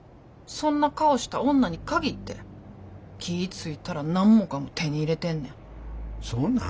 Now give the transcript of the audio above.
そんな顔した女に限って気ぃ付いたら何もかも手に入れてんねん。